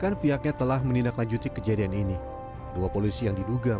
kejadian ini dua polisi yang diduga menyebabkan kejadian ini dua polisi yang diduga menyebabkan